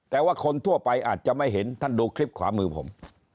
แต่ว่าคนทั่วไปอาจจะไม่เห็นท่านดูคลิปขวามือผม